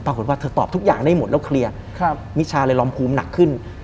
ปรากฏว่าเธอตอบทุกอย่างได้หมดแล้วเคลียร์มิชาเลยลอมภูมิหนักขึ้น